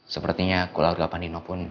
sepertinya kulau riga pandino pun